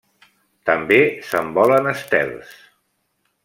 També s'envolen estels.